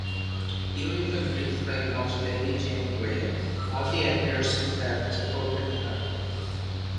During the brief reign of Lady Jane Grey, Hoby appears to have supported her.